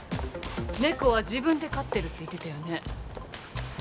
猫は自分で飼ってるって言ってたよね？